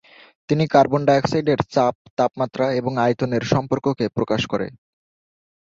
তিনি কার্বন ডাই অক্সাইডের চাপ, তাপমাত্রা এবং আয়তনের সম্পর্ককে প্রকাশ করে।